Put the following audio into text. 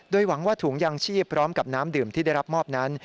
โดยหวังว่าถุงยางชีพพร้อมกับน้ำดื่มที่ได้รับมอบนั้น